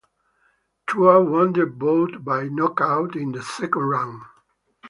Tua won the bout by knockout in the second round.